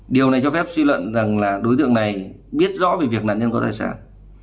điều này cho phép suy luận rằng là đối tượng này biết rõ về việc nạn nhân có tài sản